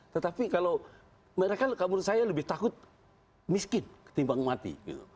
tetapi kalau mereka menurut saya lebih takut miskin ketimbang mati